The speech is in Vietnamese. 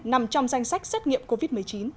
nằm trong danh sách xét nghiệm covid một mươi chín